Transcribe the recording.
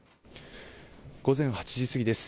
午前８時過ぎです。